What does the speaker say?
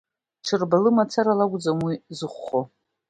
Ҽырба лымацара лакәӡам уи зыхәо!